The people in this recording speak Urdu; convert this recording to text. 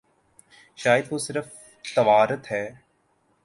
شاید وہ صرف توارد ہے۔